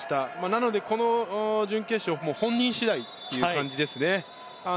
なので、この準決勝本人次第という感じですね。